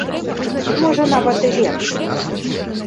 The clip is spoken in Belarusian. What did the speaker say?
Можа, нават і лепш.